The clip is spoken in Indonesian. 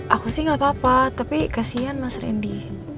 aku sih nggak apa apa tapi kasian mas rendy